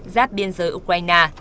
giáp biên giới ukraine